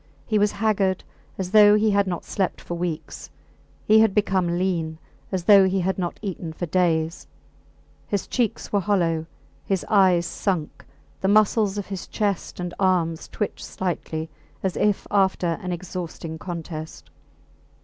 He was haggard, as though he had not slept for weeks; he had become lean, as though he had not eaten for days. His cheeks were hollow, his eyes sunk, the muscles of his chest and arms twitched slightly as if after an exhausting contest.